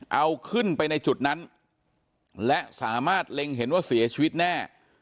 เอาขึ้นไปในจุดนั้นและสามารถเล็งเห็นว่าเสียชีวิตแน่